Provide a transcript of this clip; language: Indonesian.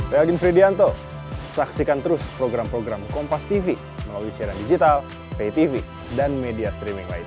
saya yadin fridianto saksikan terus program program kompastv melalui siaran digital paytv dan media streaming lain